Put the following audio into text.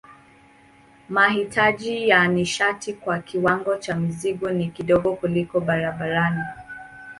Mahitaji ya nishati kwa kiwango cha mzigo ni kidogo kuliko barabarani.